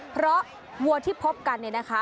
เพราะวัวที่พบกันเนี่ยนะคะ